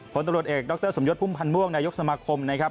ผลตำรวจเอกดรสมยศพุ่มพันธ์ม่วงนายกสมาคมนะครับ